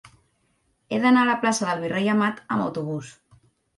He d'anar a la plaça del Virrei Amat amb autobús.